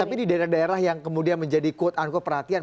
tapi di daerah daerah yang kemudian menjadi quote unquote perhatian